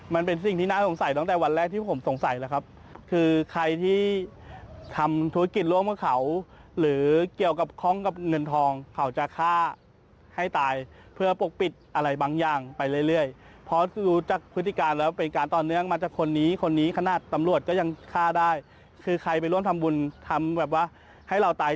มันเป็นสิ่งที่น่าสงสัยตั้งแต่วันแรกที่ผมสงสัยแล้วครับคือใครที่ทำธุรกิจร่วมกับเขาหรือเกี่ยวกับข้องกับเงินทองเขาจะฆ่าให้ตายเพื่อปกปิดอะไรบางอย่างไปเรื่อยเพราะรู้จากพฤติการแล้วเป็นการต่อเนื่องมาจากคนนี้คนนี้ขนาดตำรวจก็ยังฆ่าได้คือใครไปร่วมทำบุญทำแบบว่าให้เราตาย